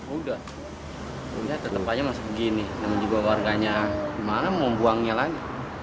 udah tempatnya masih begini namun juga warganya kemarin mau buangnya lagi